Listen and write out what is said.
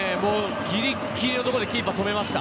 ギリギリのところでキーパーは止めました。